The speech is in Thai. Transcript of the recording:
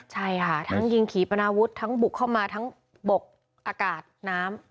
ใช่ค่ะทั้งยิงขี่ปนาวุฒิทั้งบุกเข้ามาทั้งบกอากาศน้ำ